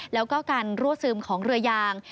แล้วก็การรั่วซึมของเรือยาง